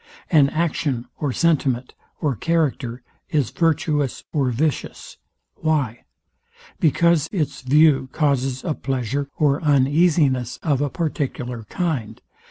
An action, or sentiment, or character is virtuous or vicious; why? because its view causes a pleasure or uneasiness of a particular kind.